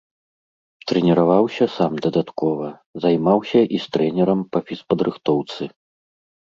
Трэніраваўся сам дадаткова, займаўся і з трэнерам па фізпадрыхтоўцы.